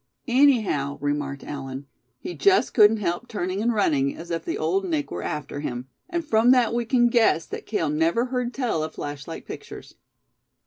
"Anyhow," remarked Allan, "he just couldn't help turning and running as if the Old Nick were after him. And from that we can guess that Cale never heard tell of flashlight pictures."